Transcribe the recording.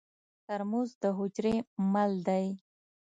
ترموز د حجرې مل دی.